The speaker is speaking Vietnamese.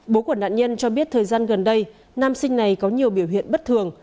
bố của nạn nhân cho biết thời gian gần đây nam sinh này có nhiều biểu hiện bất thường